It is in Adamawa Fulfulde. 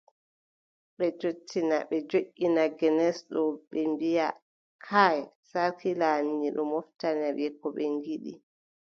Ɓe sottina, ɓe joɗɗina genes ɗo ɓe mbiaʼa : kay saaki laamiiɗo moftani ɓe ko ɓe ngiɗi.